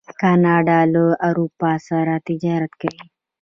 کاناډا له اروپا سره تجارت کوي.